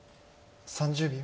３０秒。